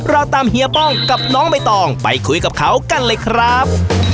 เราตามเฮียป้องกับน้องใบตองไปคุยกับเขากันเลยครับ